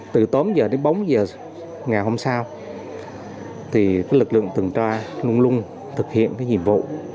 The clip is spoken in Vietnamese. từ tối đến bóng giờ ngày hôm sau lực lượng tuần tra luôn luôn thực hiện nhiệm vụ